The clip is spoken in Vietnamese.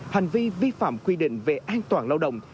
hành vi vi phạm quy định về an toàn lao động